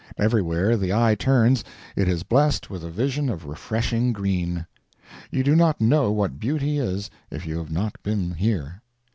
Everywhere the eye turns it is blessed with a vision of refreshing green. You do not know what beauty is if you have not been here.